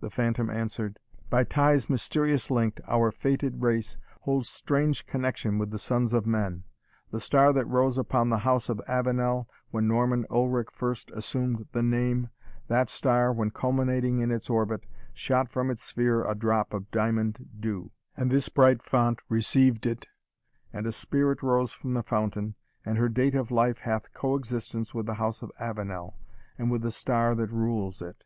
The phantom answered, "By ties mysterious link'd, our fated race Holds strange connexion with the sons of men. The star that rose upon the House of Avenel, When Norman Ulric first assumed the name, That star, when culminating in its orbit, Shot from its sphere a drop of diamond dew, And this bright font received it and a Spirit Rose from the fountain, and her date of life Hath co existence with the House of Avenel, And with the star that rules it."